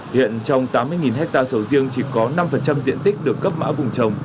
hiện trong tám mươi hectare sầu riêng chỉ có năm diện tích được cấp mã vùng trồng